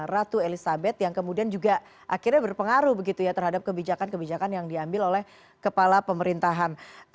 ratu elizabeth yang kemudian juga akhirnya berpengaruh begitu ya terhadap kebijakan kebijakan yang diambil oleh kepala pemerintahan